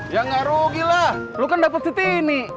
ya gak rugilah lo kan dapet si tini